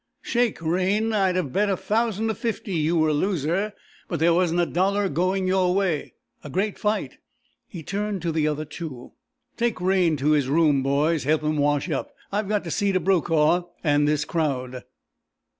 "Shake, Raine! I'd have bet a thousand to fifty you were loser, but there wasn't a dollar going your way. A great fight!" He turned to the other two. "Take Raine to his room, boys. Help 'im wash up. I've got to see to Brokaw an' this crowd."